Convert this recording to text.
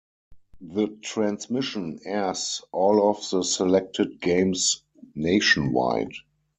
The transmission airs all of the selected games nationwide.